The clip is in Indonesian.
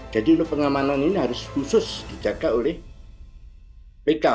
jadi untuk pengamanan ini harus khusus dijaga oleh pk